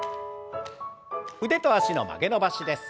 腕と脚の曲げ伸ばしです。